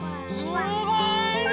すごいね！